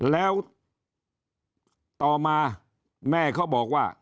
แล้วต่อมาแม่เขาบอกว่า